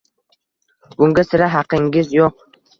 Bunga sira haqqingiz yo‘q.